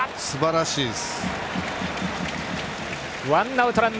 すばらしいです。